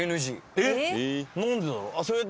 えっ何でだろう。